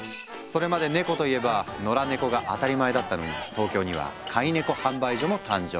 それまでネコといえば野良猫が当たり前だったのに東京には「飼い猫販売所」も誕生。